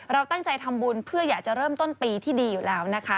เราตั้งใจทำบุญเพื่ออยากจะเริ่มต้นปีที่ดีอยู่แล้วนะคะ